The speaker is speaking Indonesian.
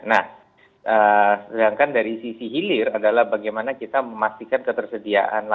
nah sedangkan dari sisi hilir adalah bagaimana kita memastikan ketersediaan